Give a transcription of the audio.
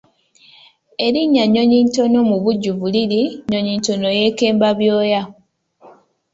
Erinnya Nyonyintono mubujjuvu liri Nyonyintono yeekemba byoya.